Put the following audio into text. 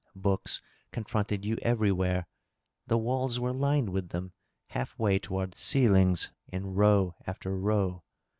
Books confronted you every where. The walls were lined with them half way toward the ceilings in row afl; er row.